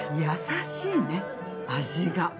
やさしいね味が。